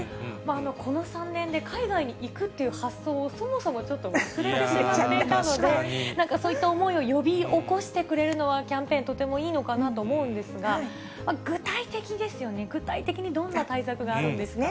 この３年で海外に行くっていう発想をそもそもちょっと忘れちゃっていたので、なんかそういった思いを呼び起こしてくれるのは、キャンペーン、とてもいいのかなと思うんですが、具体的ですよね、具体的にどんな対策があるんですか？